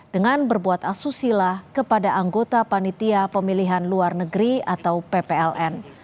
dengan berbuat asusila kepada anggota panitia pemilihan luar negeri atau ppln